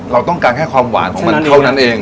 เราต้องการแค่ความหวานของมันเท่านั้นเอง